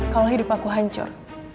kalau hidup aku hancur